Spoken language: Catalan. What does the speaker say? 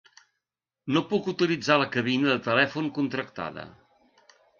No puc utilitzar la cabina de telèfon contractada.